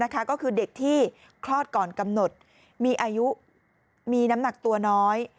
ก็คือเด็กที่คลอดก่อนกำหนดมีอายุมีน้ำหนักตัวน้อย